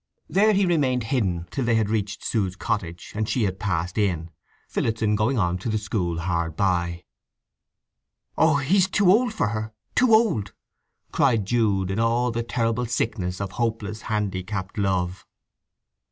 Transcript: There he remained hidden till they had reached Sue's cottage and she had passed in, Phillotson going on to the school hard by. "Oh, he's too old for her—too old!" cried Jude in all the terrible sickness of hopeless, handicapped love.